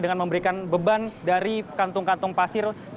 dengan memberikan beban dari kantung kantong pasir